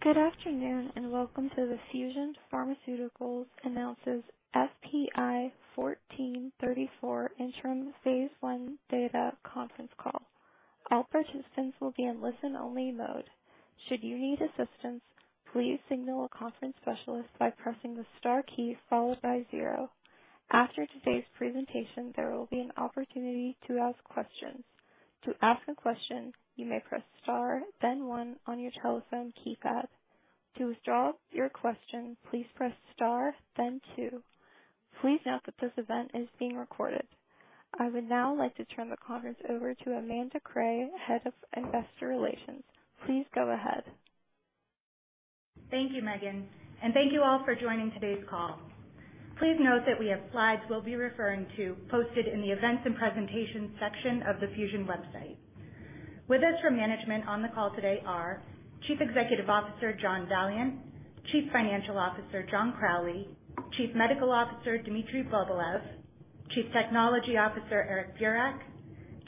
Good afternoon, and welcome to the Fusion Pharmaceuticals announces FPI-1434 Interim Phase 1 Data Conference Call. All participants will be in listen-only mode. Should you need assistance, please signal a conference specialist by pressing the star key followed by zero. After today's presentation, there will be an opportunity to ask questions. To ask a question, you may press star then one on your telephone keypad. To withdraw your question, please press star then two. Please note that this event is being recorded. I would now like to turn the conference over to Amanda Cray, Head of Investor Relations. Please go ahead. Thank you, Megan. Thank you all for joining today's call. Please note that we have slides we'll be referring to posted in the Events and Presentations section of the Fusion website. With us from management on the call today are Chief Executive Officer, John Valliant, Chief Financial Officer, John Crowley, Chief Medical Officer, Dmitri Bobilev, Chief Technology Officer, Eric Burak,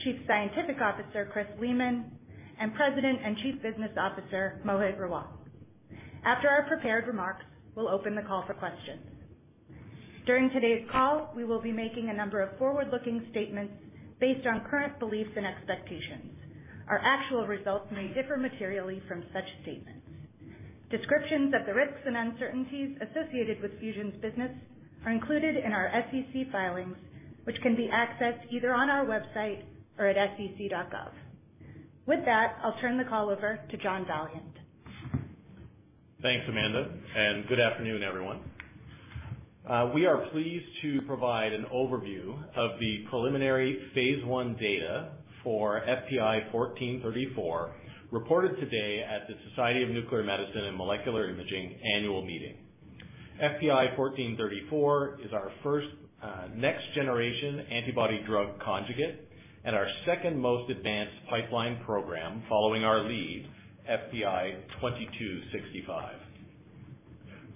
Chief Scientific Officer, Christopher Leamon, and President and Chief Business Officer, Mohit Rawat. After our prepared remarks, we'll open the call for questions. During today's call, we will be making a number of forward-looking statements based on current beliefs and expectations. Our actual results may differ materially from such statements. Descriptions of the risks and uncertainties associated with Fusion's business are included in our SEC filings, which can be accessed either on our website or at sec.gov. With that, I'll turn the call over to John Valliant. Thanks, Amanda, and good afternoon, everyone. We are pleased to provide an overview of the preliminary phase 1 data for FPI-1434, reported today at the Society of Nuclear Medicine and Molecular Imaging annual meeting. FPI-1434 is our first next-generation antibody-drug conjugate and our second-most advanced pipeline program, following our lead, FPI-2265.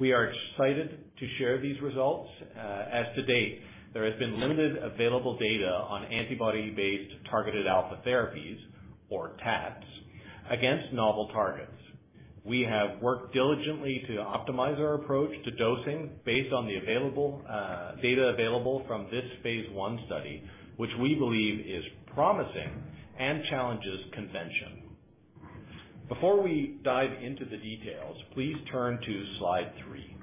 We are excited to share these results as to date, there has been limited available data on antibody-based targeted alpha therapies, or TATs, against novel targets. We have worked diligently to optimize our approach to dosing based on the available data available from this phase 1 study, which we believe is promising and challenges convention. Before we dive into the details, please turn to Slide 3.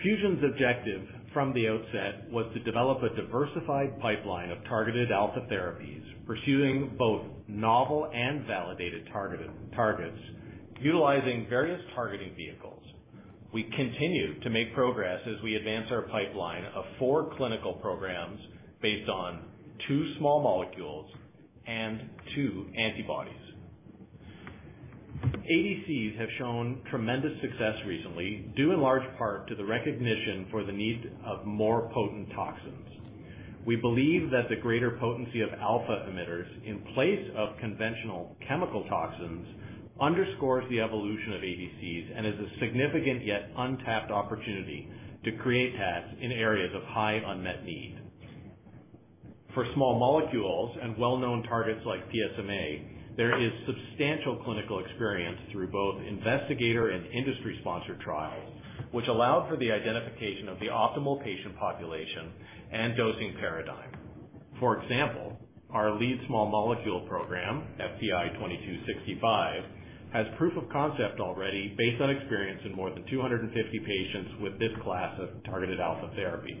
Fusion's objective from the outset was to develop a diversified pipeline of targeted alpha therapies, pursuing both novel and validated targets, utilizing various targeting vehicles. We continue to make progress as we advance our pipeline of four clinical programs based on two small molecules and two antibodies. ADCs have shown tremendous success recently, due in large part to the recognition for the need of more potent toxins. We believe that the greater potency of alpha emitters in place of conventional chemical toxins underscores the evolution of ADCs and is a significant yet untapped opportunity to create TATs in areas of high unmet need. For small molecules and well-known targets like PSMA, there is substantial clinical experience through both investigator and industry-sponsored trials, which allow for the identification of the optimal patient population and dosing paradigm. For example, our lead small molecule program, FPI-2265, has proof of concept already based on experience in more than 250 patients with this class of targeted alpha therapy.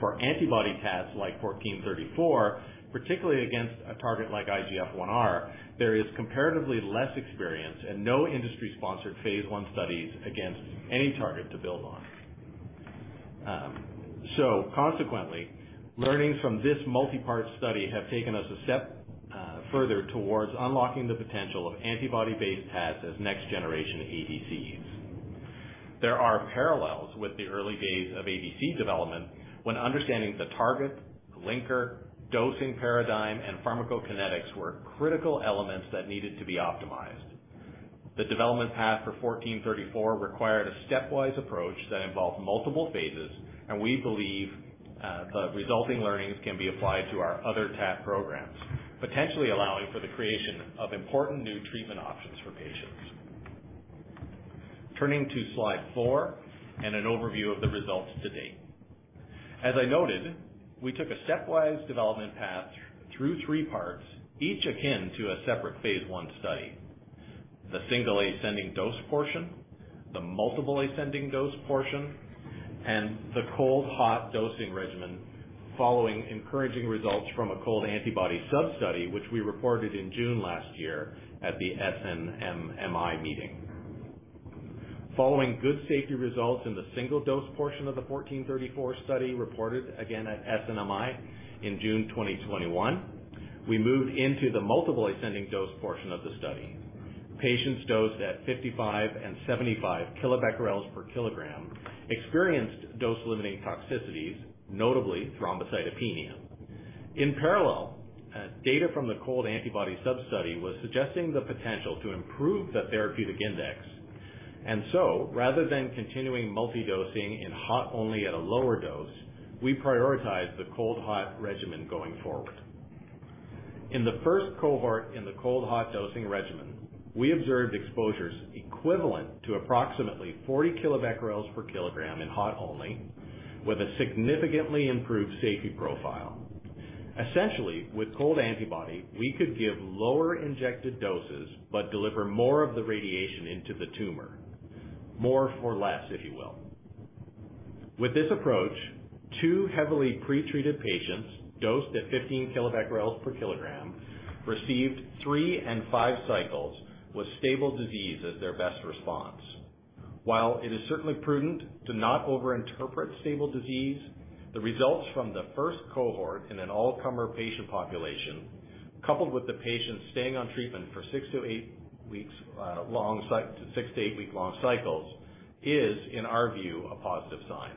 For antibody tests like FPI-1434, particularly against a target like IGF-1R, there is comparatively less experience and no industry-sponsored phase 1 studies against any target to build on. Consequently, learnings from this multi-part study have taken us a step further towards unlocking the potential of antibody-based paths as next-generation ADCs. There are parallels with the early days of ADC development, when understanding the target, linker, dosing paradigm, and pharmacokinetics were critical elements that needed to be optimized. The development path for FPI-1434 required a stepwise approach that involved multiple phases. We believe the resulting learnings can be applied to our other TATs, potentially allowing for the creation of important new treatment options for patients. Turning to Slide 4 and an overview of the results to date. As I noted, we took a stepwise development path through 3 parts, each akin to a separate phase 1 study. The single ascending dose portion, the multiple ascending dose portion, and the cold-hot dosing regimen, following encouraging results from a cold antibody substudy, which we reported in June last year at the SNMMI. Following good safety results in the single dose portion of the FPI-1434 study, reported again at SNMMI in June 2021, we moved into the multiple ascending dose portion of the study. Patients dosed at 55 and 75 kilobecquerels per kilogram experienced dose-limiting toxicities, notably thrombocytopenia. In parallel, data from the cold antibody substudy was suggesting the potential to improve the therapeutic index. Rather than continuing multi-dosing in hot only at a lower dose, we prioritize the cold hot regimen going forward. In the first cohort in the cold hot dosing regimen, we observed exposures equivalent to approximately 40 kilobecquerels per kilogram in hot only, with a significantly improved safety profile. Essentially, with cold antibody, we could give lower injected doses, but deliver more of the radiation into the tumor. More for less, if you will. With this approach, 2 heavily pre-treated patients dosed at 15 kilobecquerels per kilogram, received 3 and 5 cycles, with stable disease as their best response. While it is certainly prudent to not overinterpret stable disease, the results from the first cohort in an all-comer patient population, coupled with the patients staying on treatment for six to eight weeks, six to eight-week long cycles, is, in our view, a positive sign.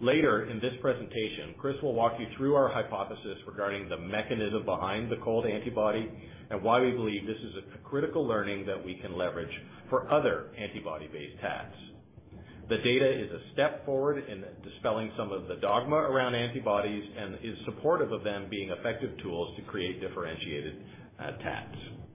Later in this presentation, Chris will walk you through our hypothesis regarding the mechanism behind the cold antibody, and why we believe this is a, critical learning that we can leverage for other antibody-based TATs. The data is a step forward in dispelling some of the dogma around antibodies and is supportive of them being effective tools to create differentiated TATs.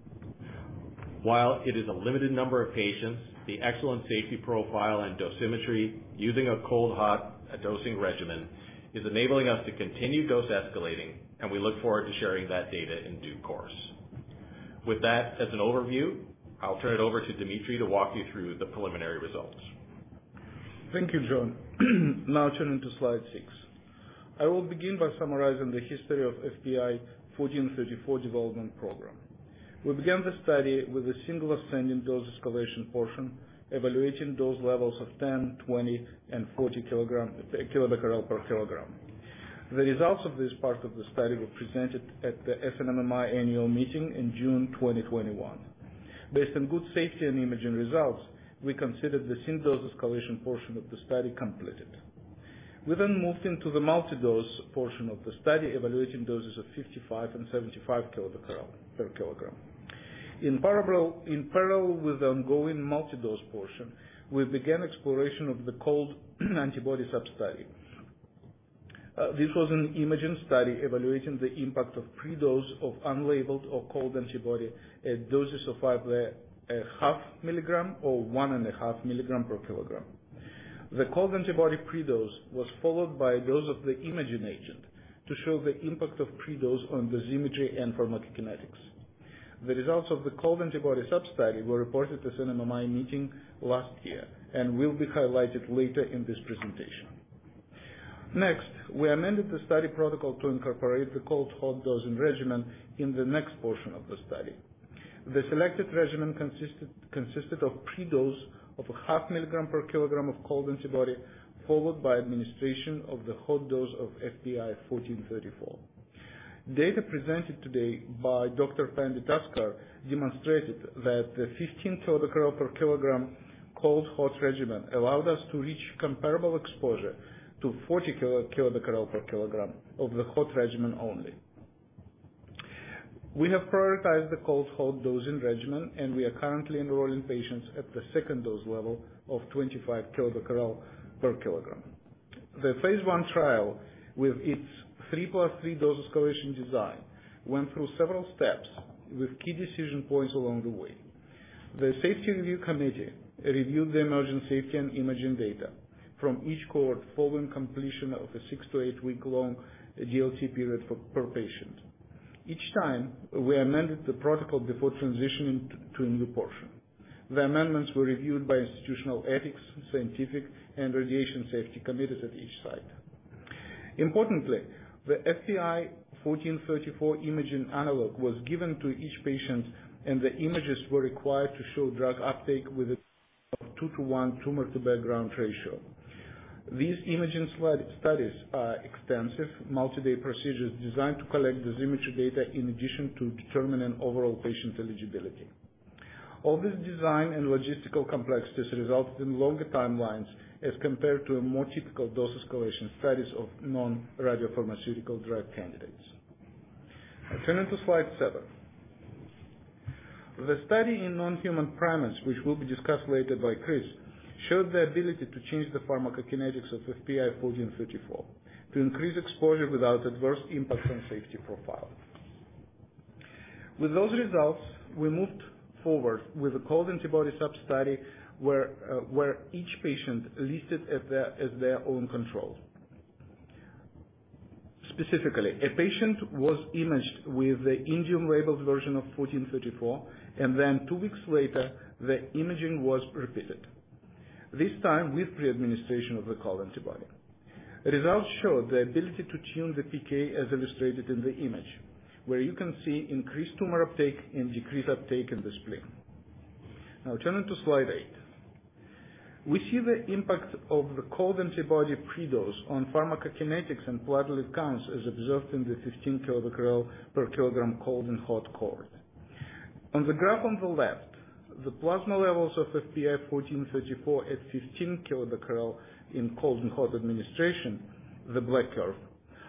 While it is a limited number of patients, the excellent safety profile and dosimetry using a cold hot dosing regimen is enabling us to continue dose escalating, and we look forward to sharing that data in due course. With that as an overview, I'll turn it over to Dmitri to walk you through the preliminary results. Thank you, John. Turning to Slide 6. I will begin by summarizing the history of FPI-1434 development program. We began the study with a single ascending dose escalation portion, evaluating dose levels of 10, 20, and 40 kilobecquerel per kilogram. The results of this part of the study were presented at the SNMMI annual meeting in June 2021. Based on good safety and imaging results, we considered the single dose escalation portion of the study completed. We moved into the multi-dose portion of the study, evaluating doses of 55 and 75 kilobecquerel per kilogram. In parallel with the ongoing multi-dose portion, we began exploration of the cold antibody substudy. This was an imaging study evaluating the impact of pre-dose of unlabeled or cold antibody at doses of either half milligram or one and a half milligram per kilogram. The cold antibody pre-dose was followed by a dose of the imaging agent to show the impact of pre-dose on dosimetry and pharmacokinetics. The results of the cold antibody substudy were reported to SNMMI meeting last year. Will be highlighted later in this presentation. We amended the study protocol to incorporate the cold hot dosing regimen in the next portion of the study. The selected regimen consisted of pre-dose of a half milligram per kilogram of cold antibody, followed by administration of the hot dose of FPI-1434. Data presented today by Dr. Pandit-Taskar demonstrated that the 15 kilobecquerel per kilogram cold hot regimen allowed us to reach comparable exposure to 40 kilobecquerel per kilogram of the hot regimen only. We have prioritized the cold hot dosing regimen. We are currently enrolling patients at the second dose level of 25 kilobecquerel per kilogram. The phase 1 trial with its 3+3 dose escalation design, went through several steps with key decision points along the way. The Safety Review Committee reviewed the emerging safety and imaging data from each cohort following completion of a 6 to 8-week long DLT period per patient. Each time, we amended the protocol before transitioning to a new portion. The amendments were reviewed by institutional ethics, scientific, and radiation safety committees at each site. Importantly, the FPI-1434 imaging analog was given to each patient, and the images were required to show drug uptake with a 2 to 1 tumor-to-background ratio. These imaging studies are extensive, multi-day procedures designed to collect dosimetry data in addition to determining overall patient eligibility. All this design and logistical complexities resulted in longer timelines as compared to a more typical dose escalation studies of non-radiopharmaceutical drug candidates. I turn into Slide 7. The study in non-human primates, which will be discussed later by Chris, showed the ability to change the pharmacokinetics of FPI-1434, to increase exposure without adverse impact on safety profile. With those results, we moved forward with a cold antibody substudy, where each patient listed as their own control. Specifically, a patient was imaged with the indium-labeled version of 1434, and then two weeks later, the imaging was repeated, this time with pre-administration of the cold antibody. The results showed the ability to tune the PK, as illustrated in the image, where you can see increased tumor uptake and decreased uptake in the spleen. Turning to Slide 8. We see the impact of the cold antibody pre-dose on pharmacokinetics and platelet counts as observed in the 15 kilobecquerel per kilogram cold and hot cohort. On the graph on the left, the plasma levels of FPI-1434 at 15 kilobecquerel in cold and hot administration, the black curve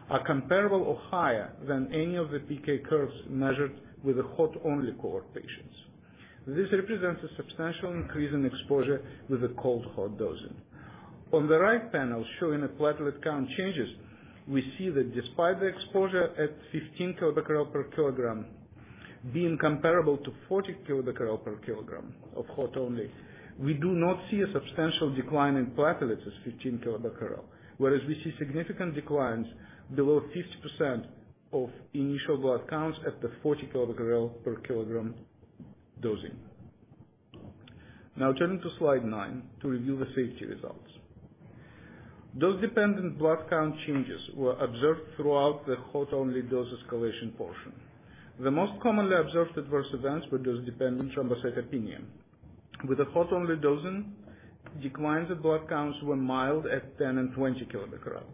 are comparable or higher than any of the PK curves measured with the hot-only cohort patients. This represents a substantial increase in exposure with the cold-hot dosing. On the right panel, showing the platelet count changes, we see that despite the exposure at 15 kilobecquerel per kilogram being comparable to 40 kilobecquerel per kilogram of hot only, we do not see a substantial decline in platelets as 15 kilobecquerel, whereas we see significant declines below 50% of initial blood counts at the 40 kilobecquerel per kilogram dosing. Turning to Slide 9 to review the safety results. Dose-dependent blood count changes were observed throughout the hot-only dose escalation portion. The most commonly observed adverse events were dose-dependent thrombocytopenia. With the hot-only dosing, declines in blood counts were mild at 10 and 20 kilobecquerel,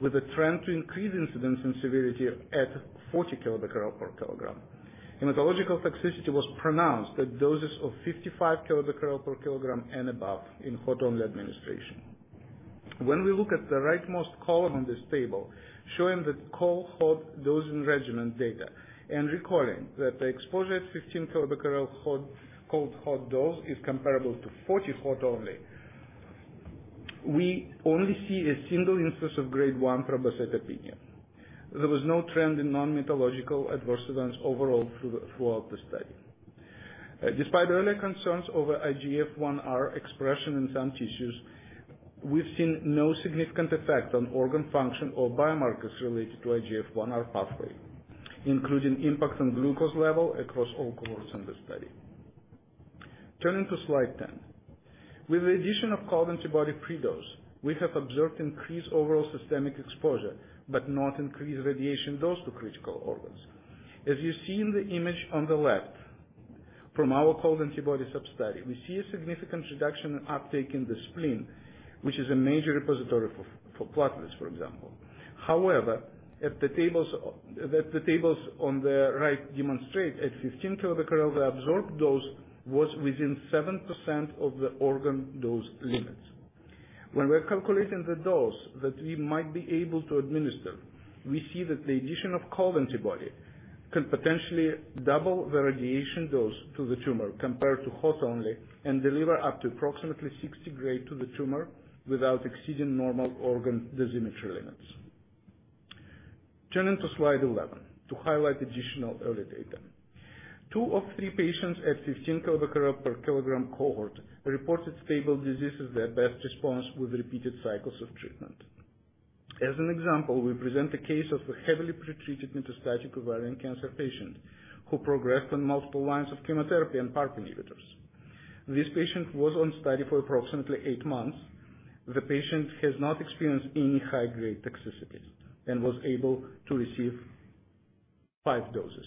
with a trend to increase incidence and severity at 40 kilobecquerel per kilogram. Hematological toxicity was pronounced at doses of 55 kilobecquerel per kilogram and above in hot-only administration. When we look at the rightmost column on this table, showing the cold-hot dosing regimen data and recalling that the exposure at 15 kilobecquerel hot, cold-hot dose is comparable to 40 hot only, we only see a single instance of grade 1 thrombocytopenia. There was no trend in non-hematological adverse events overall throughout the study. Despite early concerns over IGF-1R expression in some tissues, we've seen no significant effect on organ function or biomarkers related to IGF-1R pathway, including impact on glucose level across all cohorts in the study. Turning to Slide 10. With the addition of cold antibody pre-dose, we have observed increased overall systemic exposure, but not increased radiation dose to critical organs. As you see in the image on the left, from our cold antibody substudy, we see a significant reduction in uptake in the spleen, which is a major repository for platelets, for example. That the tables on the right demonstrate, at 15 kilobecquerel, the absorbed dose was within 7% of the organ dose limits. When we're calculating the dose that we might be able to administer, we see that the addition of cold antibody can potentially double the radiation dose to the tumor compared to hot only, and deliver up to approximately 60 gray to the tumor without exceeding normal organ dosimetry limits. Turning to Slide 11 to highlight additional early data. Two of three patients at 15 kilobecquerels per kilogram cohort reported stable disease as their best response with repeated cycles of treatment. As an example, we present a case of a heavily pretreated metastatic ovarian cancer patient who progressed on multiple lines of chemotherapy and PARP inhibitors. This patient was on study for approximately eight months. The patient has not experienced any high-grade toxicity and was able to receive five doses.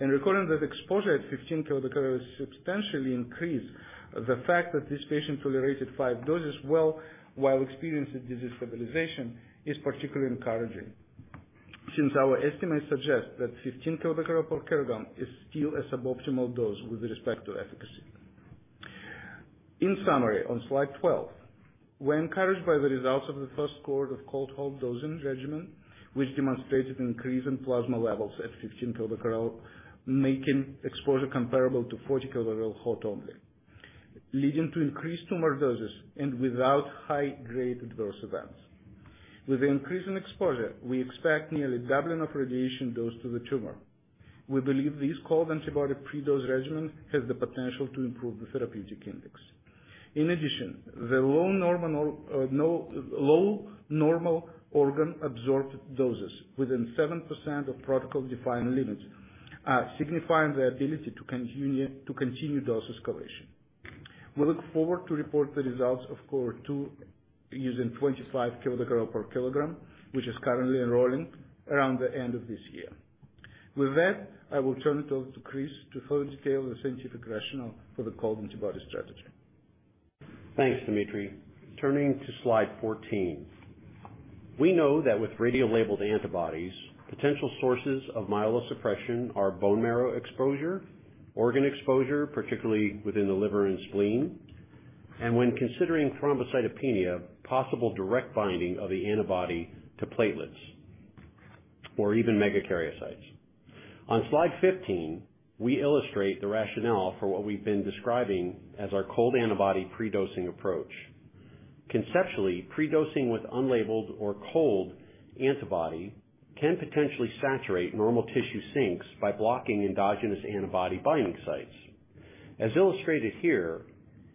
Recalling that exposure at 15 kilobecquerels is substantially increased, the fact that this patient tolerated five doses well while experiencing disease stabilization, is particularly encouraging, since our estimates suggest that 15 kilobecquerels per kilogram is still a suboptimal dose with respect to efficacy. In summary, on Slide 12, we're encouraged by the results of the first cohort of cold-hot dosing regimen, which demonstrated an increase in plasma levels at 15 kilobecquerel, making exposure comparable to 40 kilobecquerel hot only, leading to increased tumor doses and without high-grade adverse events. With the increase in exposure, we expect nearly doubling of radiation dose to the tumor. We believe this cold antibody pre-dose regimen has the potential to improve the therapeutic index. In addition, the low normal organ absorbed doses within 7% of protocol-defined limits are signifying the ability to continue dose escalation. We look forward to report the results of cohort 2 using 25 kilobecquerel per kilogram, which is currently enrolling, around the end of this year. With that, I will turn it over to Chris to further scale the scientific rationale for the cold antibody strategy. Thanks, Dmitri. Turning to Slide 14. We know that with radiolabeled antibodies, potential sources of myelosuppression are bone marrow exposure, organ exposure, particularly within the liver and spleen, and when considering thrombocytopenia, possible direct binding of the antibody to platelets or even megakaryocytes. On Slide 15, we illustrate the rationale for what we've been describing as our cold antibody pre-dosing approach. Conceptually, pre-dosing with unlabeled or cold antibody can potentially saturate normal tissue sinks by blocking endogenous antibody binding sites. As illustrated here,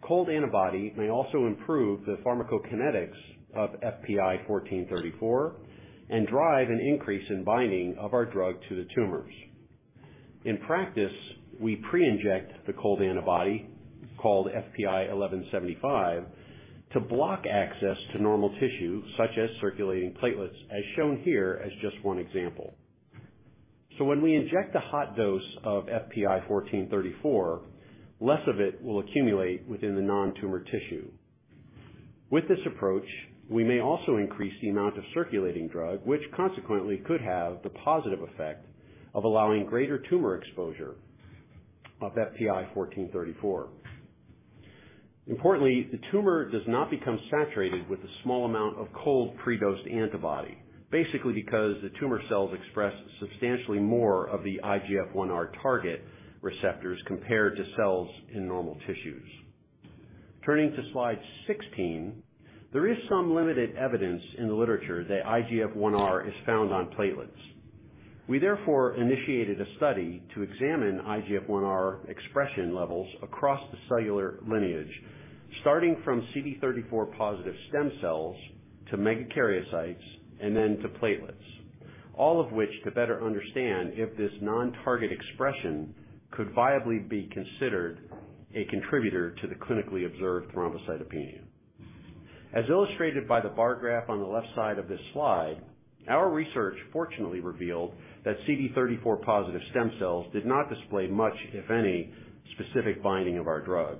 cold antibody may also improve the pharmacokinetics of FPI-1434, and drive an increase in binding of our drug to the tumors. In practice, we pre-inject the cold antibody, called FPI-1175, to block access to normal tissue, such as circulating platelets, as shown here as just one example. When we inject a hot dose of FPI-1434, less of it will accumulate within the non-tumor tissue. With this approach, we may also increase the amount of circulating drug, which consequently could have the positive effect of allowing greater tumor exposure of FPI-1434. Importantly, the tumor does not become saturated with a small amount of cold pre-dosed antibody, basically because the tumor cells express substantially more of the IGF-1R target receptors compared to cells in normal tissues. Turning to Slide 16, there is some limited evidence in the literature that IGF-1R is found on platelets. We therefore initiated a study to examine IGF-1R expression levels across the cellular lineage, starting from CD34 positive stem cells, to megakaryocytes, and then to platelets. All of which to better understand if this non-target expression could viably be considered a contributor to the clinically observed thrombocytopenia. As illustrated by the bar graph on the left side of this slide, our research fortunately revealed that CD34-positive stem cells did not display much, if any, specific binding of our drug.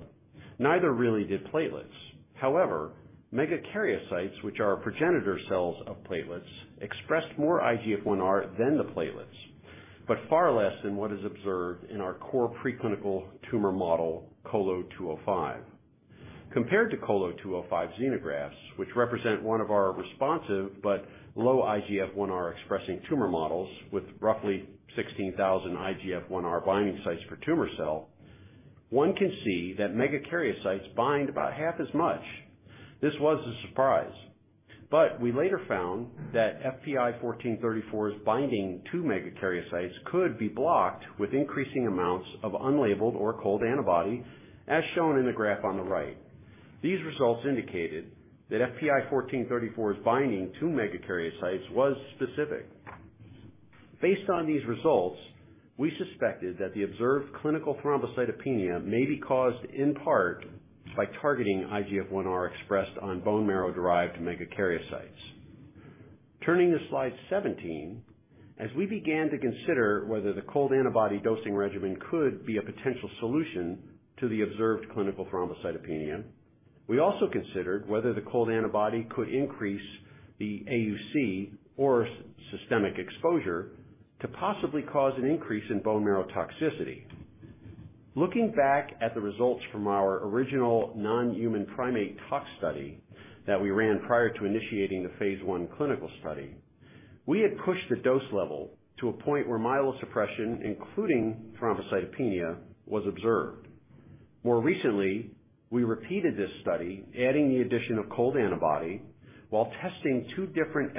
Neither really did platelets. However, megakaryocytes, which are progenitor cells of platelets, expressed more IGF-1R than the platelets, but far less than what is observed in our core preclinical tumor model, COLO 205. Compared to COLO 205 xenografts, which represent one of our responsive but low IGF-1R expressing tumor models with roughly 16,000 IGF-1R binding sites per tumor cell, one can see that megakaryocytes bind about half as much. This was a surprise, but we later found that FPI-1434's binding to megakaryocytes could be blocked with increasing amounts of unlabeled or cold antibody, as shown in the graph on the right. These results indicated that FPI-1434's binding to megakaryocytes was specific. Based on these results, we suspected that the observed clinical thrombocytopenia may be caused in part by targeting IGF-1R expressed on bone marrow-derived megakaryocytes. Turning to Slide 17, as we began to consider whether the cold antibody dosing regimen could be a potential solution to the observed clinical thrombocytopenia, we also considered whether the cold antibody could increase the AUC or systemic exposure to possibly cause an increase in bone marrow toxicity. Looking back at the results from our original non-human primate tox study that we ran prior to initiating the phase 1 clinical study, we had pushed the dose level to a point where myelosuppression, including thrombocytopenia, was observed. More recently, we repeated this study, adding the addition of cold antibody while testing two different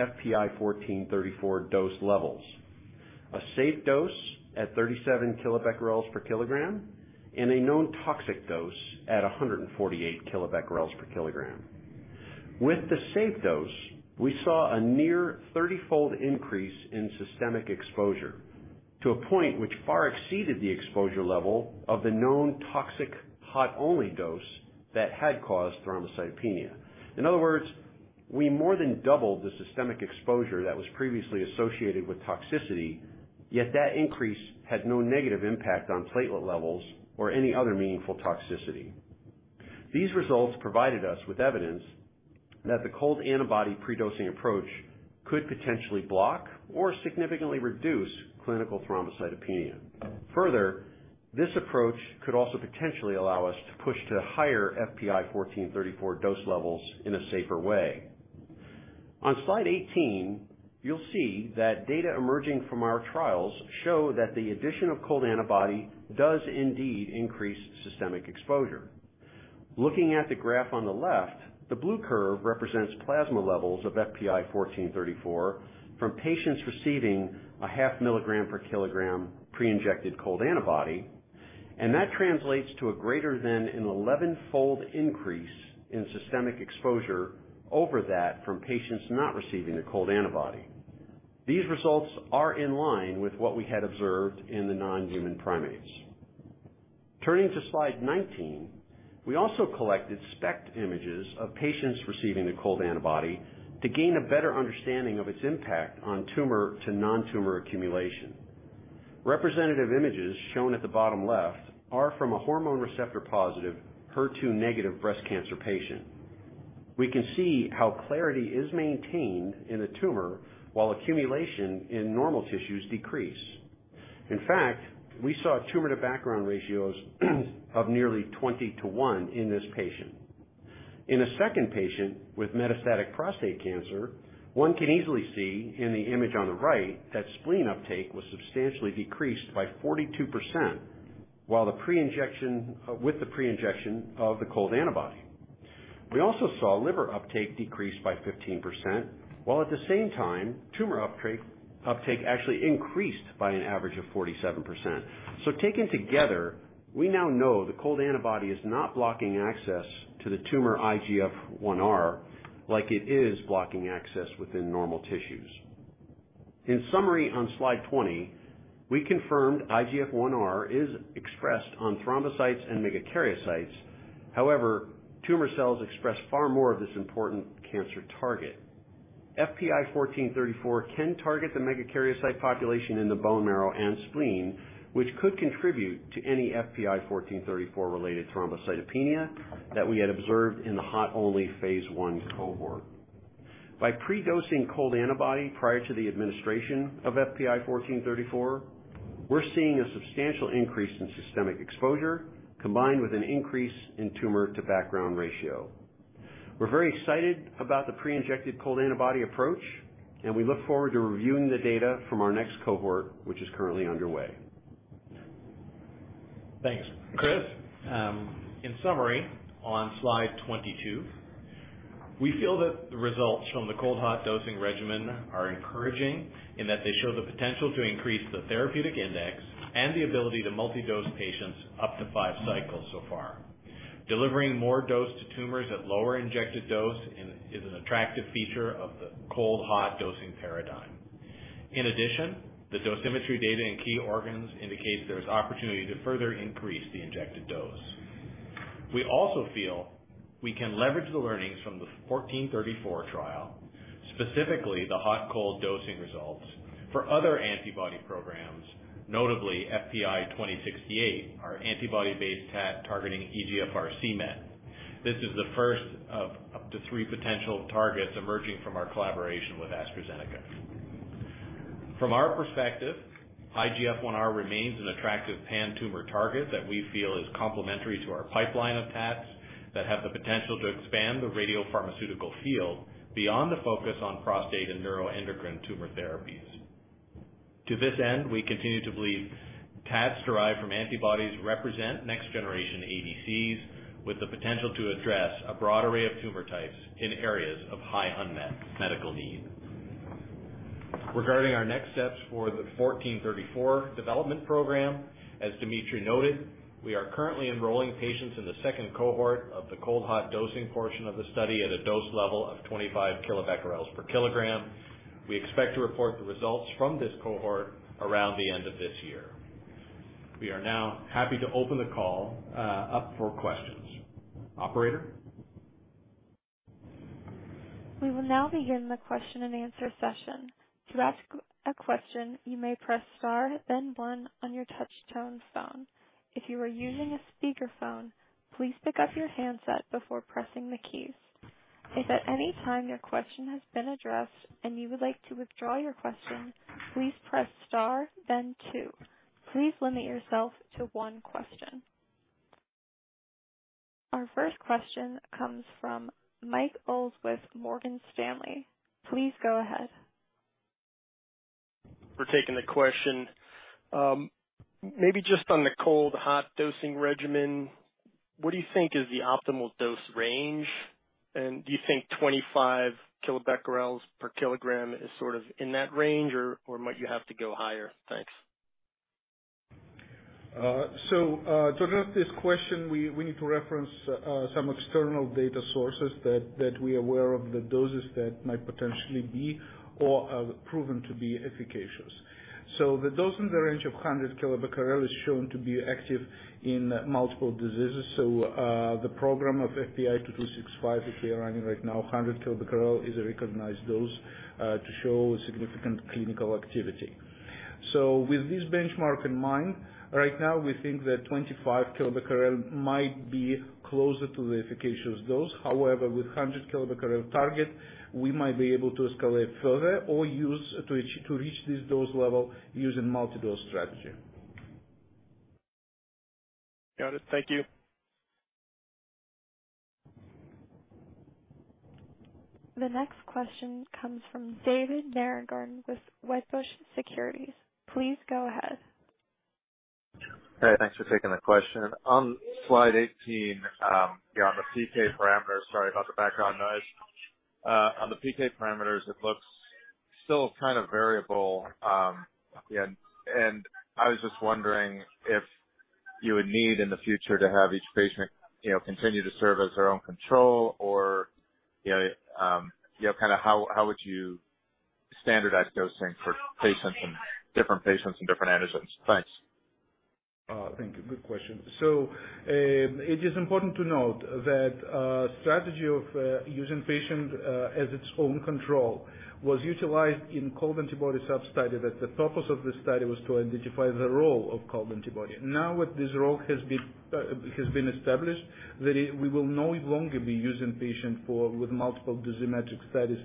FPI-1434 dose levels: a safe dose at 37 kilobecquerels per kilogram and a known toxic dose at 148 kilobecquerels per kilogram. With the safe dose, we saw a near 30-fold increase in systemic exposure to a point which far exceeded the exposure level of the known toxic hot only dose that had caused thrombocytopenia. In other words, we more than doubled the systemic exposure that was previously associated with toxicity, yet that increase had no negative impact on platelet levels or any other meaningful toxicity. These results provided us with evidence that the cold antibody predosing approach could potentially block or significantly reduce clinical thrombocytopenia. This approach could also potentially allow us to push to higher FPI-1434 dose levels in a safer way. On Slide 18, you'll see that data emerging from our trials show that the addition of cold antibody does indeed increase systemic exposure. Looking at the graph on the left, the blue curve represents plasma levels of FPI-1434 from patients receiving a 0.5 milligram per kilogram pre-injected cold antibody, and that translates to a greater than an 11-fold increase in systemic exposure over that from patients not receiving the cold antibody. These results are in line with what we had observed in the non-human primates. Turning to Slide 19, we also collected SPECT images of patients receiving the cold antibody to gain a better understanding of its impact on tumor to non-tumor accumulation. Representative images shown at the bottom left are from a hormone receptor-positive, HER2-negative breast cancer patient. We can see how clarity is maintained in the tumor while accumulation in normal tissues decrease. In fact, we saw tumor-to-background ratios of nearly 20 to 1 in this patient. In a second patient with metastatic prostate cancer, one can easily see in the image on the right, that spleen uptake was substantially decreased by 42%, while with the pre-injection of the cold antibody. We also saw liver uptake decrease by 15%, while at the same time, tumor uptake actually increased by an average of 47%. Taken together, we now know the cold antibody is not blocking access to the tumor IGF-1R, like it is blocking access within normal tissues. In summary, on Slide 20, we confirmed IGF-1R is expressed on thrombocytes and megakaryocytes. However, tumor cells express far more of this important cancer target. FPI-1434 can target the megakaryocyte population in the bone marrow and spleen, which could contribute to any FPI-1434-related thrombocytopenia that we had observed in the hot-only phase 1 cohort. By pre-dosing cold antibody prior to the administration of FPI-1434, we're seeing a substantial increase in systemic exposure, combined with an increase in tumor-to-background ratio. We're very excited about the pre-injected cold antibody approach. We look forward to reviewing the data from our next cohort, which is currently underway. Thanks, Chris. In summary, on Slide 22, we feel that the results from the cold-hot dosing regimen are encouraging, in that they show the potential to increase the therapeutic index and the ability to multi-dose patients up to five cycles so far. Delivering more dose to tumors at lower injected dose is an attractive feature of the cold-hot dosing paradigm. In addition, the dosimetry data in key organs indicates there's opportunity to further increase the injected dose. We also feel we can leverage the learnings from the FPI-1434 trial, specifically the hot-cold dosing results, for other antibody programs, notably FPI-2068, our antibody-based TAT targeting EGFR cMET. This is the first of up to three potential targets emerging from our collaboration with AstraZeneca. From our perspective, IGF-1R remains an attractive pan-tumor target that we feel is complementary to our pipeline of TATs that have the potential to expand the radiopharmaceutical field beyond the focus on prostate and neuroendocrine tumor therapies. To this end, we continue to believe TATs derived from antibodies represent next generation ADCs, with the potential to address a broad array of tumor types in areas of high unmet medical need. Regarding our next steps for the 1434 development program, as Dmitri noted, we are currently enrolling patients in the second cohort of the cold-hot dosing portion of the study at a dose level of 25 kilobecquerels per kilogram. We expect to report the results from this cohort around the end of this year. We are now happy to open the call up for questions. Operator? We will now begin the question and answer session. To ask a question, you may press star, then one on your touchtone phone. If you are using a speakerphone, please pick up your handset before pressing the keys. If at any time your question has been addressed and you would like to withdraw your question, please press star, then two. Please limit yourself to one question. Our first question comes from Mike Ulz with Morgan Stanley. Please go ahead. Taking the question. Maybe just on the cold-hot dosing regimen, what do you think is the optimal dose range? Do you think 25 kilobecquerels per kilogram is sort of in that range or might you have to go higher? Thanks. To address this question, we need to reference some external data sources that we are aware of the doses that might potentially be or are proven to be efficacious. The dose in the range of 100 kilobecquerel is shown to be active in multiple diseases. The program of FPI-2265, which we are running right now, 100 kilobecquerel, is a recognized dose to show significant clinical activity. With this benchmark in mind, right now, we think that 25 kilobecquerel might be closer to the efficacious dose. However, with 100 kilobecquerel target, we might be able to escalate further or use to reach this dose level using multi dose strategy. Got it. Thank you. The next question comes from David Nierengarten with Wedbush Securities. Please go ahead. Hey, thanks for taking the question. On Slide 18, on the PK parameters, sorry about the background noise. On the PK parameters, it looks still kind of variable. I was just wondering if you would need, in the future, to have each patient, you know, continue to serve as their own control, or, you know, kind of how would you standardize dosing for patients, and different patients and different antigens? Thanks. Thank you. Good question. It is important to note that strategy of using patient as its own control was utilized in cold antibody substudy, that the purpose of the study was to identify the role of cold antibody. Now that this role has been established, that we will no longer be using patient for with multiple dosimetric studies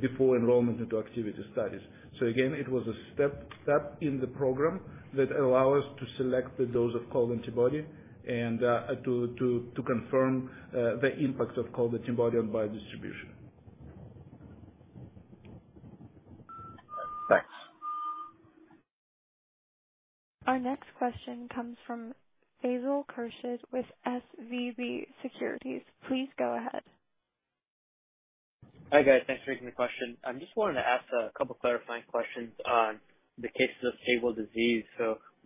before enrollment into activity studies. Again, it was a step in the program that allow us to select the dose of cold antibody and to confirm the impact of cold antibody on biodistribution. Thanks. Our next question comes from Faisal Khurshid with SVB Securities. Please go ahead. Hi, guys. Thanks for taking the question. I just wanted to ask a couple clarifying questions on the cases of stable disease.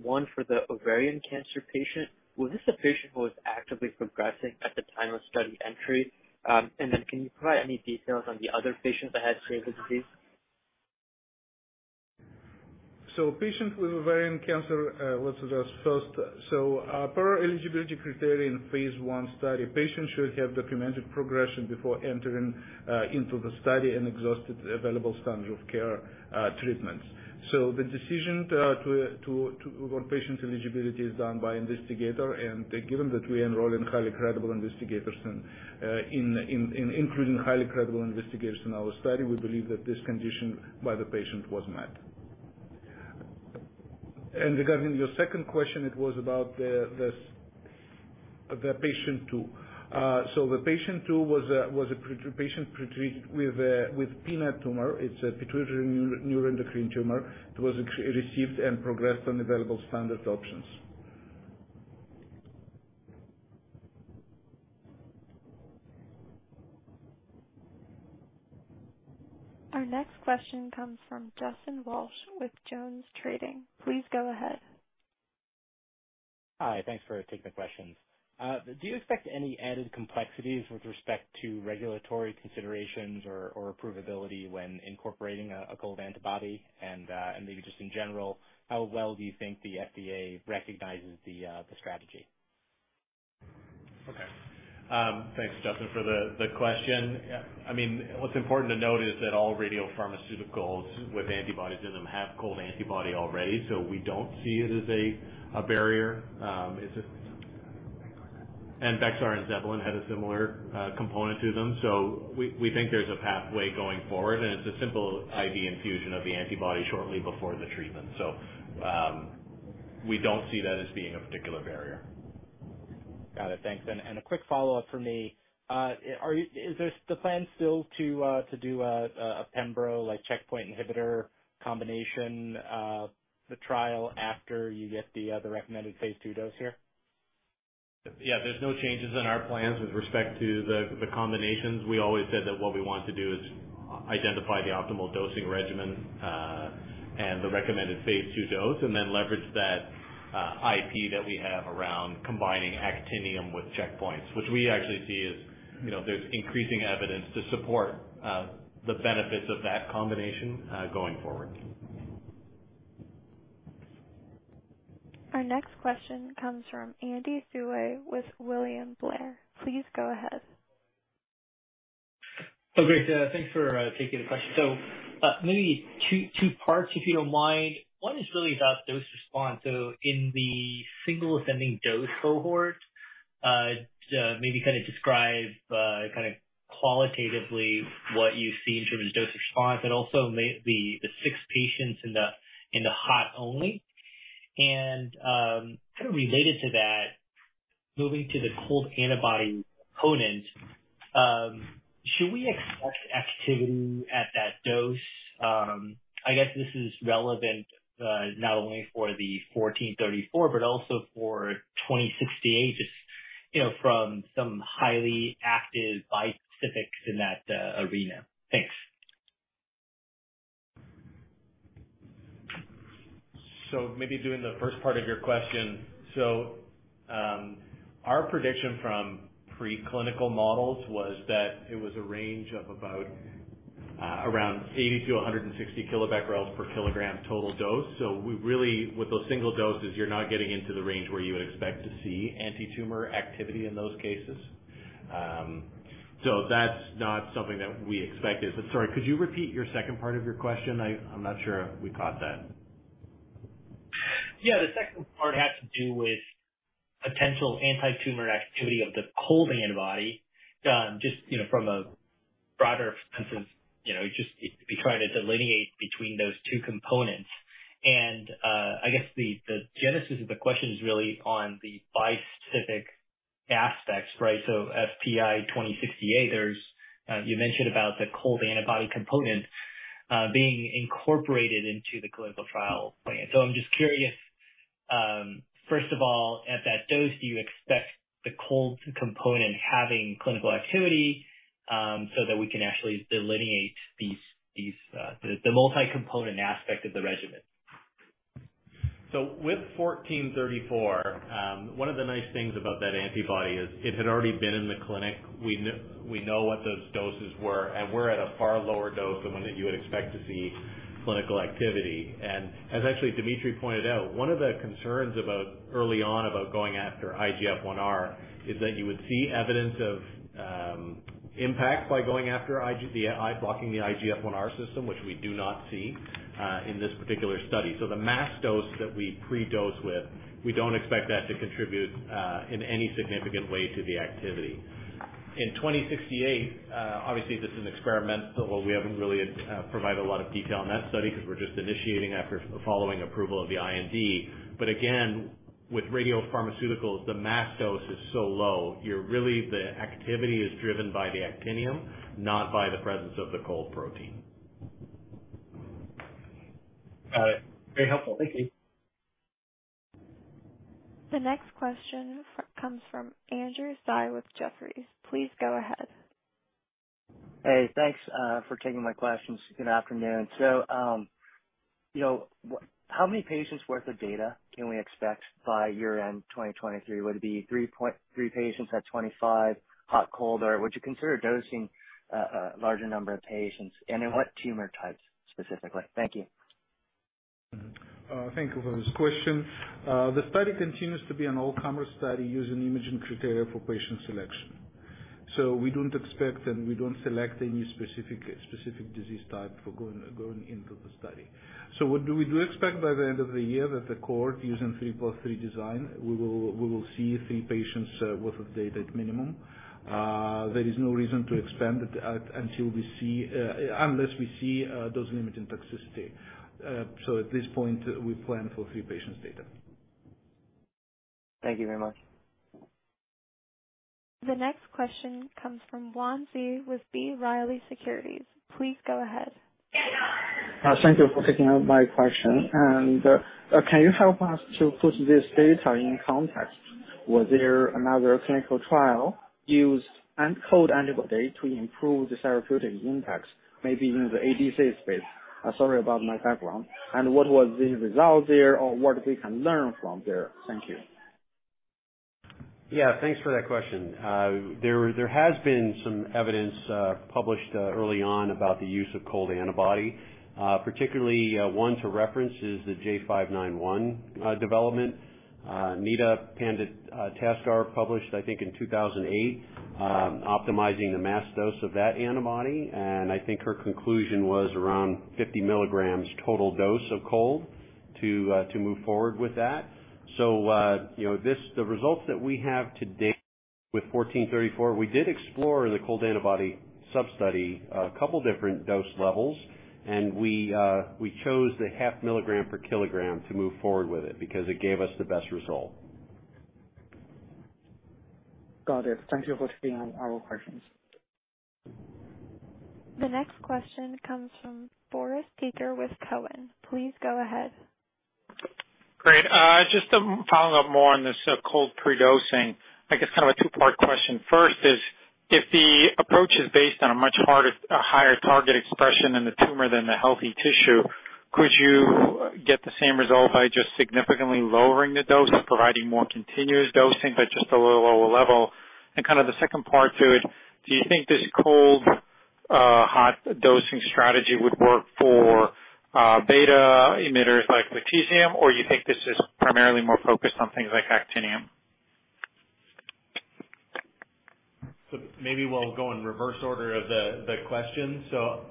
One, for the ovarian cancer patient, was this a patient who was actively progressing at the time of study entry? Can you provide any details on the other patients that had stable disease? Patients with ovarian cancer, let's address first. Per eligibility criterion phase 1 study, patients should have documented progression before entering into the study and exhausted available standard of care treatments. The decision to on patient's eligibility is done by investigator, and given that we enroll in highly credible investigators and including highly credible investigators in our study, we believe that this condition by the patient was met. Regarding your second question, it was about the patient 2. The patient 2 was a patient pretreated with a PitNET tumor. It's a pituitary neuroendocrine tumor. It was received and progressed on available standard options. Our next question comes from Justin Walsh with Jones Trading. Please go ahead. Hi, thanks for taking the questions. Do you expect any added complexities with respect to regulatory considerations or approvability when incorporating a cold antibody? Maybe just in general, how well do you think the FDA recognizes the strategy? Okay. Thanks, Justin, for the question. I mean, what's important to note is that all radiopharmaceuticals with antibodies in them have cold antibody already, so we don't see it as a barrier. Bexxar and Zevalin had a similar component to them, so we think there's a pathway going forward, and it's a simple IV infusion of the antibody shortly before the treatment. We don't see that as being a particular barrier. Got it. Thanks. A quick follow-up for me. Is this the plan still to do a pembro, like, checkpoint inhibitor combination, the trial after you get the recommended phase 2 dose here? Yeah. There's no changes in our plans with respect to the combinations. We always said that what we want to do is identify the optimal dosing regimen, and the recommended phase 2 dose, and then leverage that IP that we have around combining actinium with checkpoints, which we actually see as, you know, there's increasing evidence to support the benefits of that combination, going forward. Our next question comes from Andy Hsieh with William Blair. Please go ahead. Great. Thanks for taking the question. Maybe two parts, if you don't mind. One is really about dose response. In the single ascending dose cohort, just maybe kind of describe qualitatively what you've seen in terms of dose response and also may the six patients in the hot only. Kind of related to that, moving to the cold antibody component, should we expect activity at that dose? I guess this is relevant, not only for the FPI-1434, but also for FPI-2068, just, you know, from some highly active bispecifics in that arena. Thanks. Maybe doing the first part of your question. Our prediction from preclinical models was that it was a range of about around 80 to 160 kilobecquerels per kilogram total dose. We really, with those single doses, you're not getting into the range where you would expect to see antitumor activity in those cases. That's not something that we expected. Sorry, could you repeat your second part of your question? I'm not sure we caught that. Yeah. The second part had to do with potential antitumor activity of the cold antibody, just, you know, from a broader sense of, you know, just trying to delineate between those two components. I guess the genesis of the question is really on the bispecific aspects, right? FPI-2068, there's, you mentioned about the cold antibody component, being incorporated into the clinical trial plan. I'm just curious, first of all, at that dose, do you expect the cold component having clinical activity, so that we can actually delineate these the multi-component aspect of the regimen? With FPI-1434, one of the nice things about that antibody is it had already been in the clinic. We know what those doses were, and we're at a far lower dose than one that you would expect to see clinical activity. As actually Dmitri pointed out, one of the concerns about early on about going after IGF-1R, is that you would see evidence of impact by going after I... the blocking the IGF-1R system, which we do not see in this particular study. The mass dose that we pre-dose with, we don't expect that to contribute in any significant way to the activity. In FPI-2068, obviously, this is experimental. We haven't really provided a lot of detail on that study because we're just initiating after the following approval of the IND. Again, with radiopharmaceuticals, the mass dose is so low, you're really, the activity is driven by the actinium, not by the presence of the cold protein. Got it. Very helpful. Thank you. The next question comes from Andrew Tsai with Jefferies. Please go ahead. Hey, thanks for taking my questions. Good afternoon. You know, how many patients worth of data can we expect by year-end 2023? Would it be 3.3 patients at 25, hot, cold? Or would you consider dosing a larger number of patients? And in what tumor types, specifically? Thank you. Thank you for this question. The study continues to be an all-comer study using imaging criteria for patient selection. We don't expect, and we don't select any specific disease type for going into the study. What do we do expect by the end of the year that the cohort using 3+3 design, we will see 3 patients worth of data at minimum. There is no reason to expand it until we see unless we see those limits in toxicity. At this point, we plan for 3 patients data. Thank you very much. The next question comes from Yuan Zhi with B. Riley Securities. Please go ahead. Thank you for taking my question. Can you help us to put this data in context? Was there another clinical trial used and cold antibody to improve the therapeutic impacts, maybe in the ADC space? Sorry about my background. What was the result there, or what we can learn from there? Thank you. Yeah, thanks for that question. There has been some evidence published early on about the use of cold antibody. Particularly one to reference is the J591 development. Neeta Pandit-Taskar published, I think, in 2008, optimizing the mass dose of that antibody, and I think her conclusion was around 50 milligrams total dose of cold to move forward with that. You know, the results that we have to date with 1434, we did explore the cold antibody sub-study, a couple different dose levels, and we chose the 0.5 milligram per kilogram to move forward with it, because it gave us the best result. Got it. Thank you for taking our questions. The next question comes from Boris Peaker with Cowen. Please go ahead. Great. Just to follow up more on this, cold pre-dosing, I guess kind of a two-part question. First is, if the approach is based on a much harder, higher target expression in the tumor than the healthy tissue, could you get the same result by just significantly lowering the dose and providing more continuous dosing, but just a little lower level? Kind of the second part to it, do you think this cold, hot dosing strategy would work for, beta emitters like Lutetium, or you think this is primarily more focused on things like actinium? Maybe we'll go in reverse order of the question.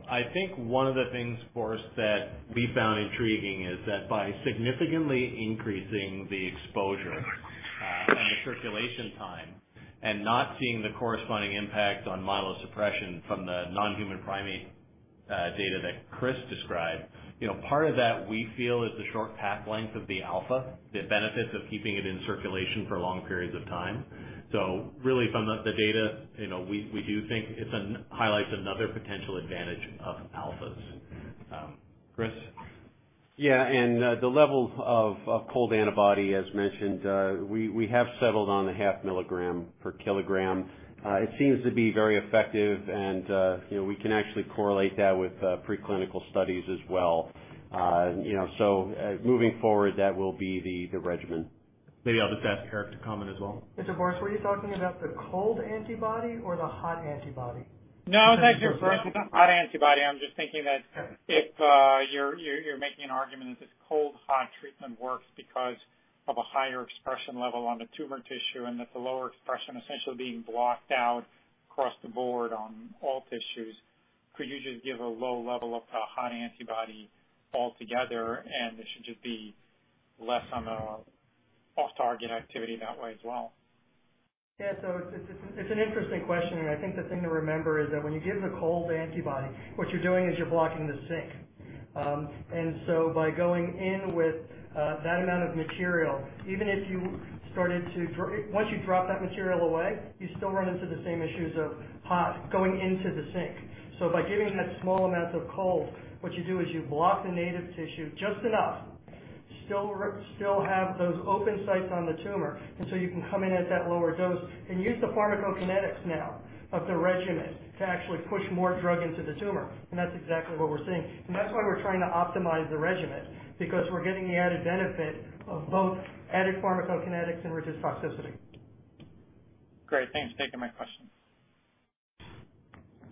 I think one of the things, Boris, that we found intriguing is that by significantly increasing the exposure and the circulation time and not seeing the corresponding impact on myelosuppression from the non-human primate data that Chris described, you know, part of that, we feel, is the short path length of the alpha, the benefits of keeping it in circulation for long periods of time. Really, from the data, you know, we do think highlights another potential advantage of alphas. Chris? The level of cold antibody, as mentioned, we have settled on a half milligram per kilogram. It seems to be very effective and, you know, we can actually correlate that with preclinical studies as well. You know, moving forward, that will be the regimen. Maybe I'll just ask Eric to comment as well. Boris, were you talking about the cold antibody or the hot antibody? No First, the hot antibody. I'm just thinking that if you're making an argument that this cold/hot treatment works because of a higher expression level on the tumor tissue, and that the lower expression essentially being blocked out across the board on all tissues, could you just give a low level of a hot antibody altogether, and it should just be less on the off-target activity that way as well? It's an interesting question, and I think the thing to remember is that when you give the cold antibody, what you're doing is you're blocking the sink. By going in with that amount of material, even if you started to Once you drop that material away, you still run into the same issues of hot going into the sink. By giving that small amount of cold, what you do is you block the native tissue just enough, still have those open sites on the tumor, you can come in at that lower dose and use the pharmacokinetics now of the regimen to actually push more drug into the tumor. That's exactly what we're seeing. That's why we're trying to optimize the regimen, because we're getting the added benefit of both added pharmacokinetics and reduced toxicity. Great. Thanks for taking my question.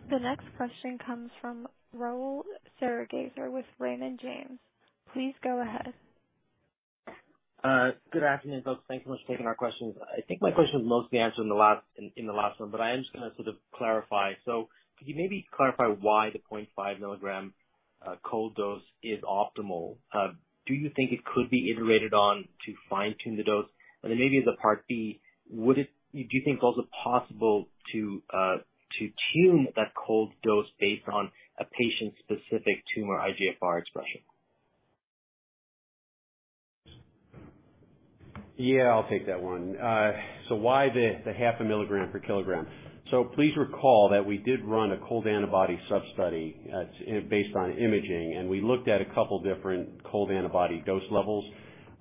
The next question comes from Rahul Sarugaser with Raymond James. Please go ahead. Good afternoon, folks. Thanks so much for taking our questions. I think my question was mostly answered in the last one, but I am just gonna sort of clarify. Could you maybe clarify why the 0.5 milligram cold dose is optimal? Do you think it could be iterated on to fine-tune the dose? Maybe the part B, do you think it's also possible to tune that cold dose based on a patient-specific tumor IGFR expression? Yeah, I'll take that one. Why the half a milligram per kilogram? Please recall that we did run a cold antibody sub-study, based on imaging, and we looked at a couple different cold antibody dose levels.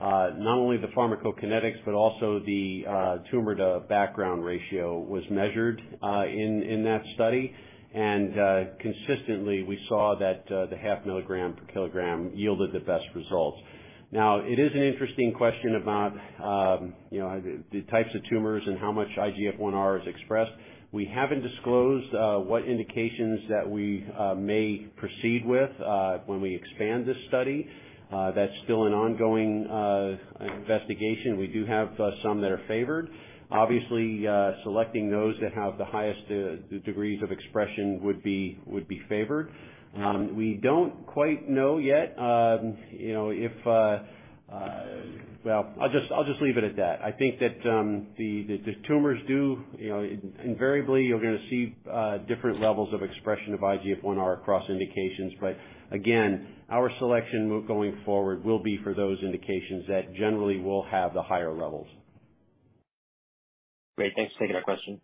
Not only the pharmacokinetics but also the tumor-to-background ratio was measured in that study. Consistently, we saw that the half milligram per kilogram yielded the best results. Now, it is an interesting question about, you know, the types of tumors and how much IGF-1R is expressed. We haven't disclosed what indications that we may proceed with when we expand this study. That's still an ongoing investigation. We do have some that are favored. Obviously, selecting those that have the highest degrees of expression would be favored. We don't quite know yet, you know, if. Well, I'll just leave it at that. I think that the tumors do, you know, invariably, you're gonna see different levels of expression of IGF-1R across indications. Again, our selection going forward will be for those indications that generally will have the higher levels. Great. Thanks for taking our question.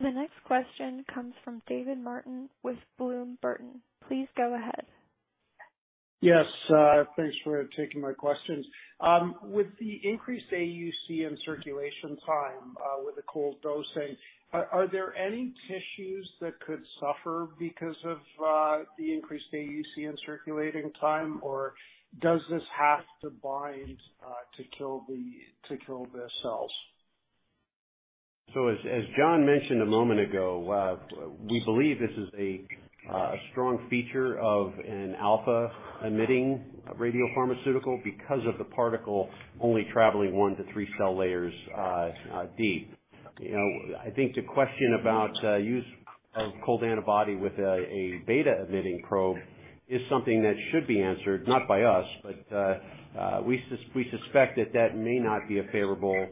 The next question comes from David Martin with Bloom Burton. Please go ahead. Thanks for taking my questions. With the increased AUC in circulation time, with the cold dosing, are there any tissues that could suffer because of the increased AUC in circulating time? Or does this have to bind to kill the cells? As John mentioned a moment ago, we believe this is a strong feature of an alpha-emitting radiopharmaceutical because of the particle only traveling one to three cell layers deep. You know, I think the question about use of cold antibody with a beta-emitting probe is something that should be answered, not by us, but we suspect that that may not be a favorable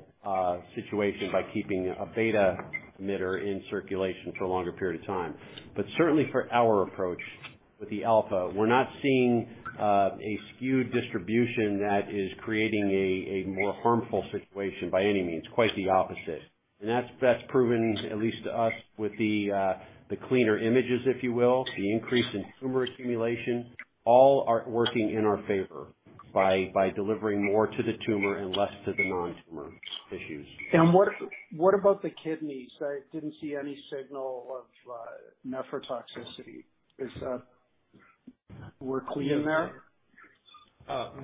situation by keeping a beta emitter in circulation for a longer period of time. Certainly for our approach with the alpha, we're not seeing a skewed distribution that is creating a more harmful situation by any means, quite the opposite. That's proven, at least to us, with the cleaner images, if you will, the increase in tumor accumulation, all are working in our favor by delivering more to the tumor and less to the non-tumor tissues. What about the kidneys? I didn't see any signal of nephrotoxicity. We're clean there?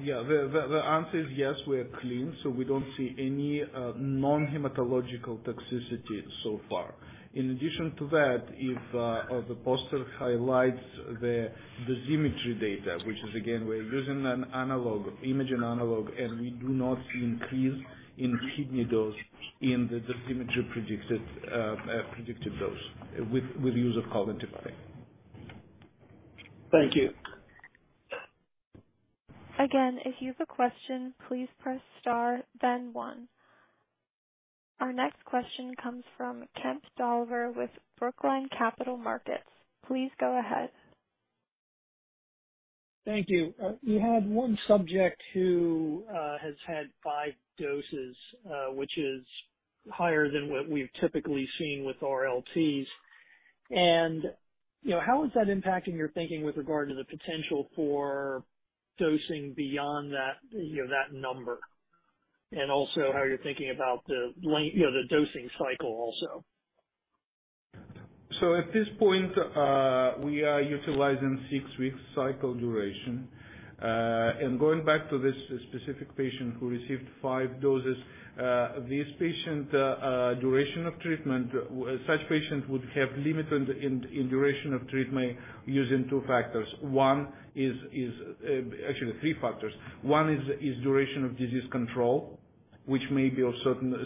Yeah, the answer is yes, we are clean, so we don't see any non-hematological toxicity so far. In addition to that, if the poster highlights the dosimetry data, which is again, we're using an analog, imaging analog, and we do not see increase in kidney dose in the dosimetry predicted dose with use of cold antibody. Thank you. Again, if you have a question, please press star then one. Our next question comes from Kemp Dolliver with Brookline Capital Markets. Please go ahead. Thank you. You had 1 subject who has had 5 doses which is higher than what we've typically seen with RLTs. You know, how is that impacting your thinking with regard to the potential for dosing beyond that, you know, that number? Also, how you're thinking about the length, you know, the dosing cycle also. At this point, we are utilizing six-week cycle duration. Going back to this specific patient who received five doses, this patient, duration of treatment, such patients would have limited in duration of treatment using two factors. Actually, three factors. One is duration of disease control, which may be a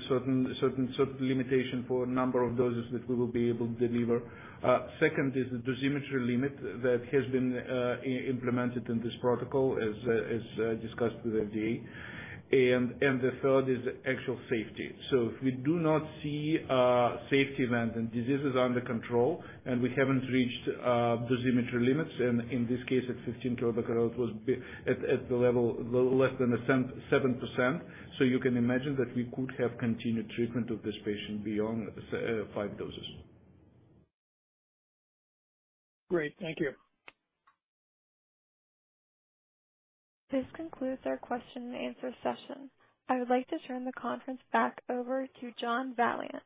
certain limitation for number of doses that we will be able to deliver. Second is the dosimetry limit that has been implemented in this protocol, as discussed with the FDA. The third is actual safety. If we do not see a safety event and disease is under control, we haven't reached dosimetry limits, in this case it's 15 terabecquerels, was at the level less than a 7%. You can imagine that we could have continued treatment of this patient beyond five doses. Great, thank you. This concludes our question and answer session. I would like to turn the conference back over to John Valliant.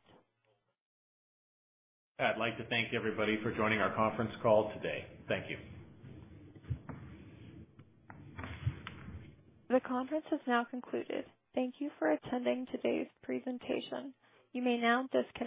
I'd like to thank everybody for joining our conference call today. Thank you. The conference is now concluded. Thank you for attending today's presentation. You may now disconnect.